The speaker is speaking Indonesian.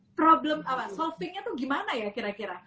problem apa solvingnya tuh gimana ya kira kira